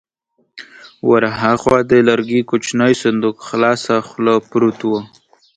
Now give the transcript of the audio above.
ور هاخوا د لرګي کوچينی صندوق خلاصه خوله پروت و.